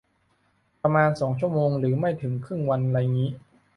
ประมาณสองชั่วโมงหรือไม่ถึงครึ่งวันไรงี้